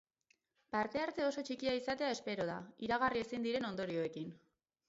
Parte-hartze oso txikia izatea espero da, iragarri ezin diren ondorioekin.